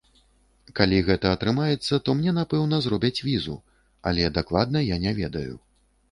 Калі гэта атрымаецца, то мне, напэўна, зробяць візу, але дакладна я не ведаю.